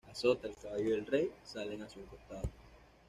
La Sota, el Caballo y el Rey salen hacia un costado.